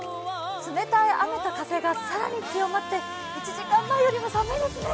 冷たい雨と風が更に強まって１時間前よりも寒いですね。